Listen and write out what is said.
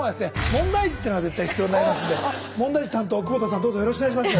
問題児っていうのが絶対必要になりますので問題児担当久保田さんどうぞよろしくお願いします。